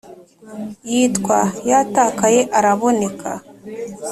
yitwa yatakaye araboneka